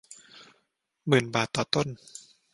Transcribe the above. หมื่นบาทต่อต้น